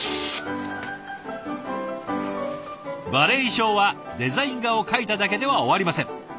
バレエ衣裳はデザイン画を描いただけでは終わりません。